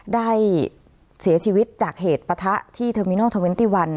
ได้เสียชีวิตจากเหตุประทะที่เทอมมินอล๒๑